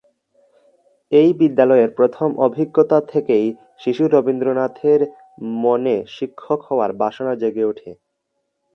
এই বিদ্যালয়ের প্রথম অভিজ্ঞতা থেকেই শিশু রবীন্দ্রনাথের মনে শিক্ষক হওয়ার বাসনা জেগে ওঠে।